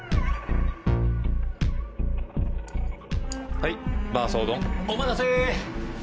はいバーソー丼お待たせ！